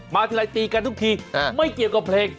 ทีไรตีกันทุกทีไม่เกี่ยวกับเพลง